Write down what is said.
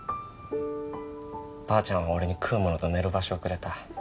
ばあちゃんは俺に食うものと寝る場所をくれた。